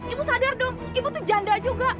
ibu sadar dong ibu tuh janda juga